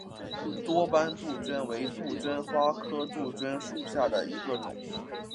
多斑杜鹃为杜鹃花科杜鹃属下的一个种。